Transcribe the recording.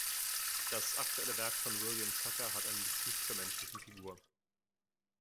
Das aktuelle Werk von William Tucker hat einen Bezug zur menschlichen Figur.